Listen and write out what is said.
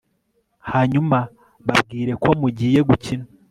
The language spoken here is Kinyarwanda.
hanyuma babwire ko mugiye gukina